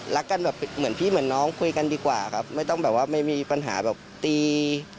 รักกันแบบเหมือนพี่เหมือนน้องคุยกันดีกว่าครับไม่ต้องแบบว่าไม่มีปัญหาแบบตี